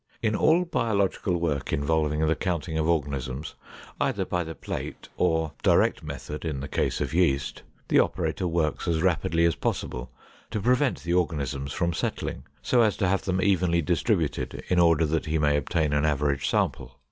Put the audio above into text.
In all biological work involving the counting of organisms, either by the plate or direct method, in the case of yeast, the operator works as rapidly as possible to prevent the organisms from settling, so as to have them evenly distributed in order that he may obtain an average sample.